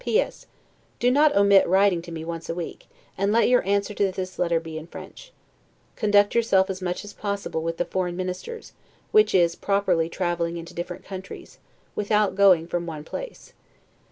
P. S. Do not omit writing to me once a week; and let your answer to this letter be in French. Connect yourself as much as possible with the foreign ministers; which is properly traveling into different countries, without going from one place.